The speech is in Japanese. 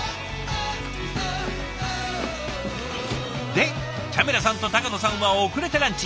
でチャミラさんと野さんは遅れてランチ。